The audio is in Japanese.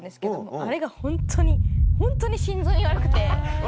あれがホントにホントに心臓に悪くて。